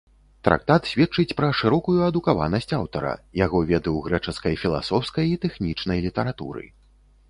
Трактат сведчыць пра шырокую адукаванасць аўтара, яго веды ў грэчаскай філасофскай і тэхнічнай літаратуры.